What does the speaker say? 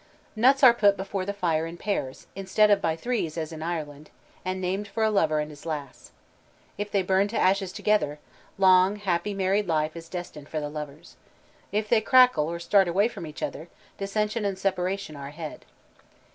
Nuts are put before the fire in pairs, instead of by threes as in Ireland, and named for a lover and his lass. If they burn to ashes together, long happy married life is destined for the lovers. If they crackle or start away from each other, dissension and separation are ahead.